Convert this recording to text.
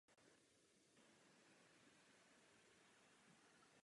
Poloostrov dosahuje téměř po celé délce šířky šesti až osmi kilometrů.